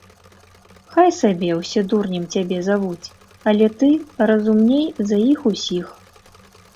Хай сабе ўсе дурнем цябе завуць, але ты разумней за іх усіх.